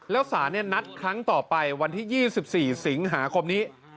แล้วสารนัดครั้งต่อไปวันที่๒๔สิงหาคมนี้